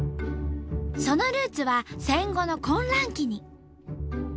そのルーツは戦後の混乱期に。